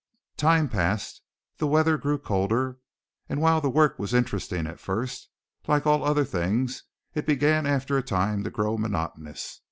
Time passed. The weather grew colder, and while the work was interesting at first, like all other things it began after a time to grow monotonous.